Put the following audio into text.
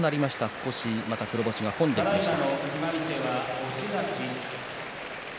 少し黒星が込んできました。